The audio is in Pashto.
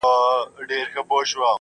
ستا د مستۍ په خاطر.